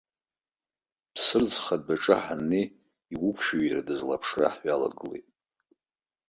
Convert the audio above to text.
Ԥсырӡха адәаҿы ҳанҩеи, иуқәшәира дызлаԥшра ҳҩалагылеит.